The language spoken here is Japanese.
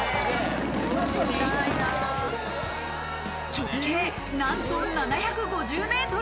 直径なんと７５０ｍ。